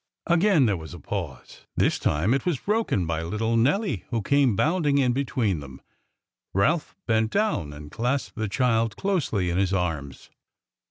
Again there was a pause. This time it was broken by little Nelly, who came bounding in between them. Ralph bent down and clasped the child closely in his arms.